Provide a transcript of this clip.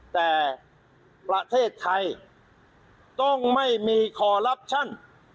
แต่ประเทศไทยต้องไม่มีคอลลับชั่น